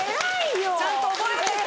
ちゃんと覚えてて。